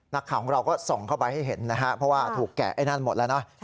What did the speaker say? นักข่าวของเราก็ส่องเข้าไปให้เห็นนะฮะเพราะว่าถูกแกะไอ้นั่นหมดแล้วนะ